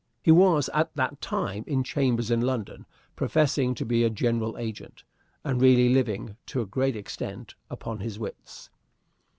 He was, at that time, in chambers in London, professing to be a general agent, and really living, to a great extent, upon his wits.